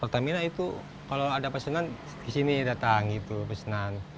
pertamina itu kalau ada pesenan kesini datang gitu pesenan